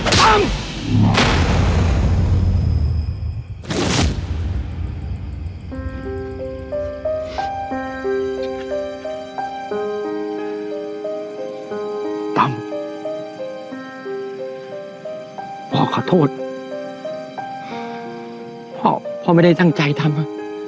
พ่อขอโทษพ่อพ่อไม่ได้ตั้งใจทำ